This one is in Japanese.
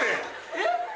えっ？